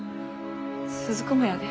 鈴子もやで。